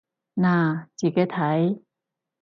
嗱，自己睇